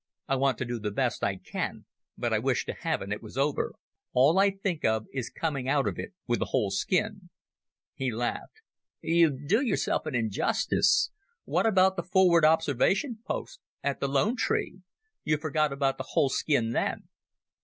I want to do the best I can, but I wish to heaven it was over. All I think of is coming out of it with a whole skin." He laughed. "You do yourself an injustice. What about the forward observation post at the Lone Tree? You forgot about the whole skin then."